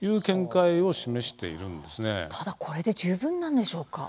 ただ、これで十分なんでしょうか？